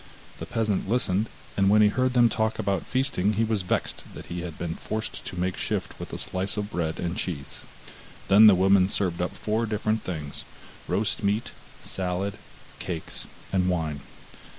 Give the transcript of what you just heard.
The peasant listened, and when he heard them talk about feasting he was vexed that he had been forced to make shift with a slice of bread and cheese. Then the woman served up four different things, roast meat, salad, cakes, and wine.